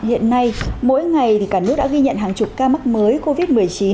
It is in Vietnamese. hiện nay mỗi ngày cả nước đã ghi nhận hàng chục ca mắc mới covid một mươi chín